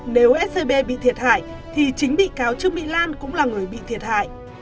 nếu scb bị thiệt hại thì chính bị cáo trương mỹ lan cũng là người bị thiệt hại